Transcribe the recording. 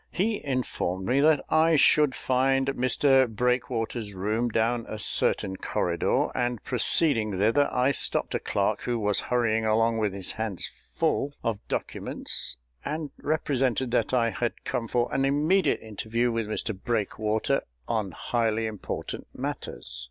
He informed me that I should find Mr BREAKWATER'S room down a certain corridor, and proceeding thither, I stopped a clerk who was hurrying along with his hands full of documents, and represented that I had come for an immediate interview with Mr BREAKWATER on highly important matters.